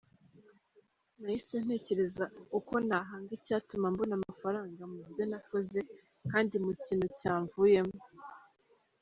Nahise ntekereza uko nahanga icyatuma mbona amafaranga mu byo nakoze, kandi mu kintu cyamvuyemo.